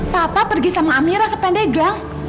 papa pergi sama amirah ke pendeglang